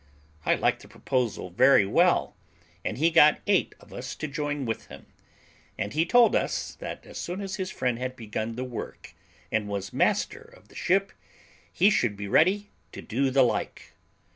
I liked the proposal very well, and he got eight of us to join with him, and he told us, that as soon as his friend had begun the work, and was master of the ship, we should be ready to do the like.